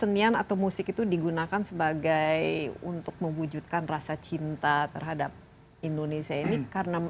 senian atau musik itu digunakan sebagai untuk mewujudkan rasa cinta terhadap indonesia ini karena